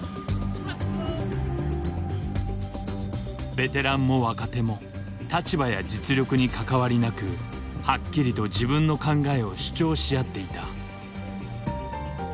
ベテランも若手も立場や実力に関わりなくはっきりと自分の考えを主張し合っていた。